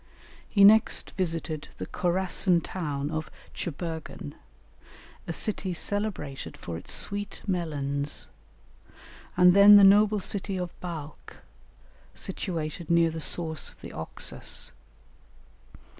He next visited the Khorassan town of Cheburgan, a city celebrated for its sweet melons, and then the noble city of Balkh, situated near the source of the Oxus.